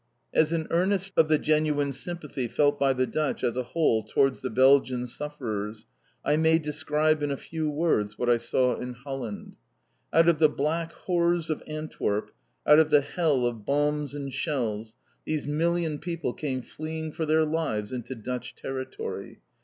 As an earnest of the genuine sympathy felt by the Dutch as a whole towards the Belgian sufferers I may describe in a few words what I saw in Holland. [Illustration: Soup for the refugees.] Out of the black horrors of Antwerp, out of the hell of bombs and shells, these million people came fleeing for their lives into Dutch territory.